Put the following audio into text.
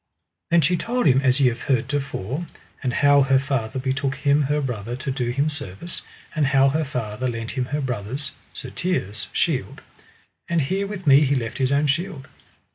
Then she told him as ye have heard to fore, and how her father betook him her brother to do him service, and how her father lent him her brother's, Sir Tirre's, shield: And here with me he left his own shield.